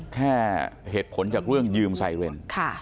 แค่เหตุผลจากเรื่องยืมไซเรน